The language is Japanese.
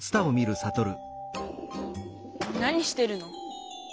何してるの？